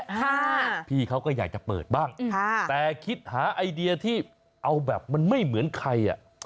ค่ะพี่เขาก็อยากจะเปิดบ้างค่ะแต่คิดหาไอเดียที่เอาแบบมันไม่เหมือนใครอ่ะ